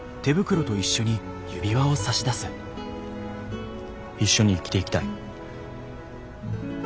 一緒に生きていきたい。